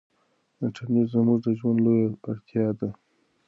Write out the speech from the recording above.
انټرنيټ زموږ د ژوند لویه اړتیا ده.